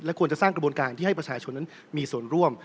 ควรจะสร้างกระบวนการที่ให้ประชาชนนั้นมีส่วนร่วม